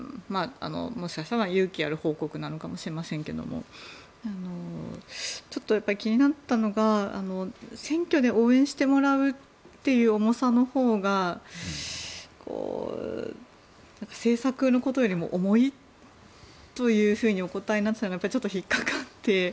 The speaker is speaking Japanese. もしかしたら勇気ある報告なのかもしれませんがちょっと気になったのが選挙で応援してもらうという重さのほうが政策のことよりも重いというふうにお答えになっていたのがちょっと引っかかって。